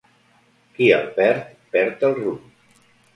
Qui el perd, perd el rumb.